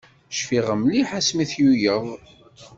Cfiɣ mliḥ asmi tluleḍ.